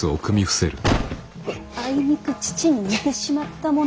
あいにく父に似てしまったもので。